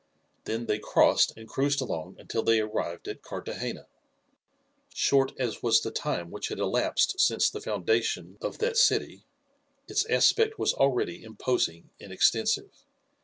Then they crossed and cruised along until they arrived at Carthagena. Short as was the time which had elapsed since the foundation of that city, its aspect was already imposing and extensive.